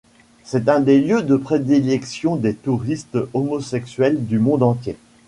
C'est un des lieux de prédilection des touristes homosexuels du monde entier.